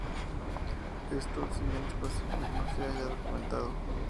Esto, si bien es posible, no se haya documentado.